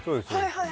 はい